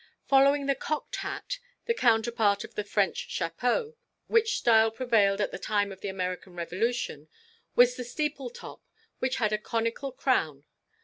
Following the "cocked" hat (the counterpart of the French chapeau), which style prevailed at the time of the American Revolution, was the "steeple top," which had a conical crown.